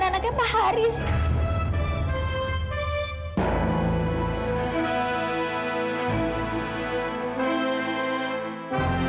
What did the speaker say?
tante kita harus berhenti